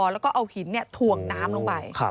แล้วก็เอาหินถ่วงน้ำลงไป